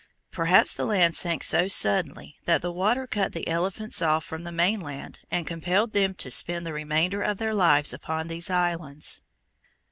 Perhaps the land sank so suddenly that the water cut the elephants off from the mainland and compelled them to spend the remainder of their lives upon these islands.